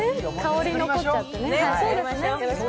香り残っちゃってね。